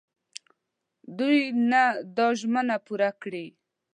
دوی نه دا ژمني پوره کړي.